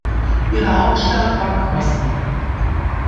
Ihre Hauptstadt war Grosny.